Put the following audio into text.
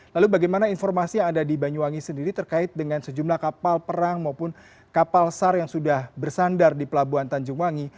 lalu bagaimana informasi yang ada di banyuwangi sendiri terkait dengan sejumlah kapal perang maupun kapal sar yang sudah bersandar di pelabuhan tanjung wangi